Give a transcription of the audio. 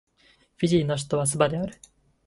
フィジーの首都はスバである